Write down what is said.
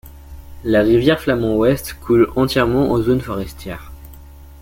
La rivière Flamand Ouest coule entièrement en zone forestière.